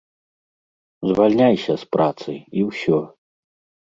Звальняйся з працы, і ўсё.